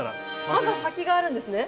まだ先があるんですね。